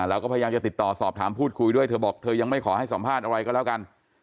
เราก็พยายามจะติดต่อสอบถามพูดคุยด้วยเธอบอกเธอยังไม่ขอให้สัมภาษณ์อะไรก็แล้วกัน